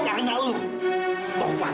tapi asal lo tau ya van